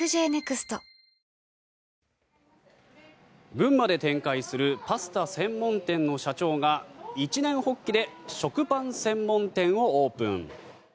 群馬で展開するパスタ専門店の社長が一念発起で食パン専門店をオープン。